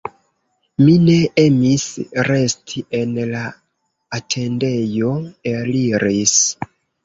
Mi ne emis resti en la atendejo, eliris.